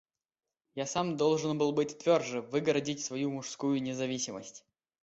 Я сам должен был быть тверже, выгородить свою мужскую независимость.